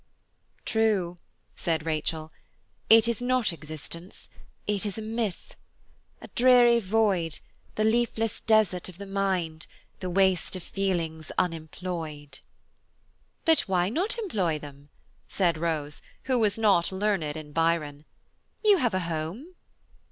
"True," said Rachel, "it is not existence, it is a myth. 'A dreary void, The leafless desert of the mind, The waste of feelings unemployed.'" "But why not employ them?" said Rose, who was not learned in Byron; "you have a home."